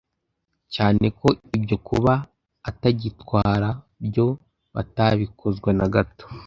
cyane ko ibyo kuba atagitwara byo batabikozwa na gato